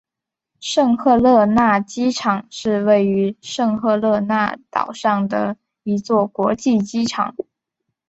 圣赫勒拿机场是位于圣赫勒拿岛上的一座国际机场。